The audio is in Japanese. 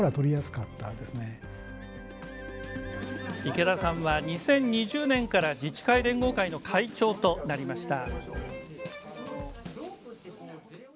池田さんは２０２０年から自治会連合会の会長となりました。